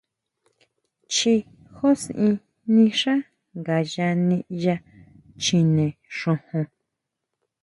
Chjií jusin nixá ngayá niʼya chjine xojon.